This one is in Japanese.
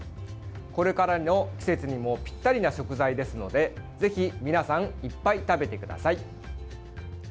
これからの季節にもぴったりな食材ですのでぜひ皆さんいっぱい食べてください。